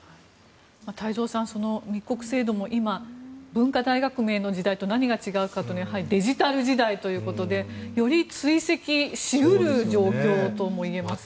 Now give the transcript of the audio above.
太蔵さん、密告制度も今文化大革命の時代と何が違うかというとデジタル時代ということでより追跡し得る状況ともいえますね。